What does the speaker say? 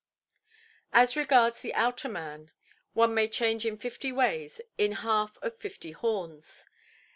As regards the outer man, one may change in fifty ways in half of fifty hornʼs.